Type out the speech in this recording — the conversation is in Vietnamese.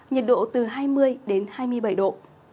nhiệt độ từ hai mươi hai mươi bảy độ